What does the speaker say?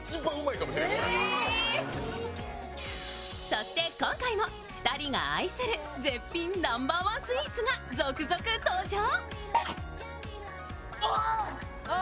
そして今回も２人が愛する絶品ナンバーワンスイーツが続々登場。